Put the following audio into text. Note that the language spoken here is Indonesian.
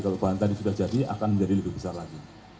kalau bahan tadi sudah jadi akan menjadi lebih besar lagi